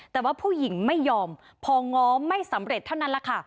แต่ว่าผู้หญิงไม่ยอมพอง้อไม่สำเร็จเท่านั้นแหละค่ะ